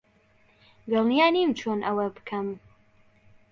دڵنیا نیم چۆن ئەوە بکەم.